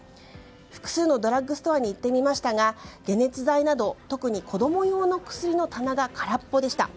複数のドラッグストアに行ってみましたが解熱剤など特に子供用の薬の棚が空っぽでした。